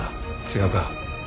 違うか？